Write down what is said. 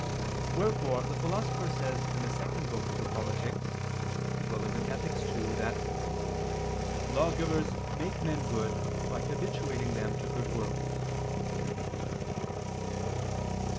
Wherefore the Philosopher says in the second book of the Politics (Ethic. ii) that "lawgivers make men good by habituating them to good works."